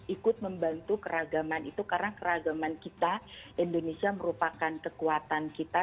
ikut membantu keragaman itu karena keragaman kita indonesia merupakan kekuatan kita